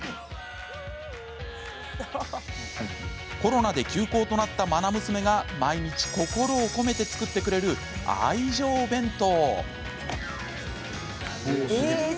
コロナで休校となったまな娘が毎日、心を込めて作ってくれる愛情弁当。